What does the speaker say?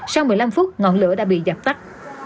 sau một mươi năm phút ngọn lửa đã bị giặt phắt